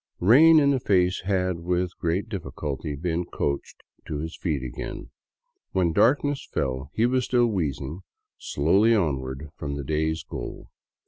" Rain in the Face " had with great difficulty been coaxed to his feet again. When darkness fell, he was still wheezing slowly on ward far from the day's goal.